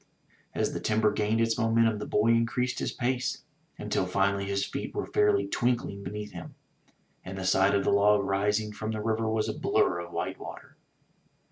As the timber gained its momentum, the boy increased 136 THE TREASURE CHEST his pace, until finally his feet were fairly twinkling beneath him, and the side of the log rising from the river was a blur of white water.